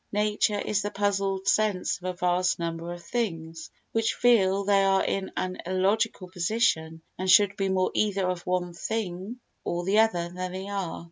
Nature is the puzzled sense of a vast number of things which feel they are in an illogical position and should be more either of one thing or the other than they are.